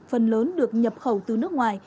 phần lớn được nhập khẩu từ nước ngoài